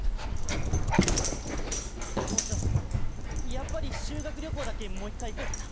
校長、やっぱり修学旅行だけもう１回行こうかな。